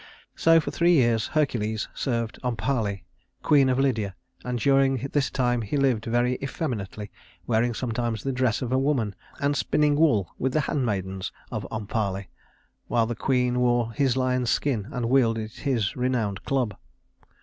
So for three years Hercules served Omphale, queen of Lydia; and during this time he lived very effeminately, wearing sometimes the dress of a woman and spinning wool with the handmaidens of Omphale, while the queen wore his lion's skin and wielded his renowned club.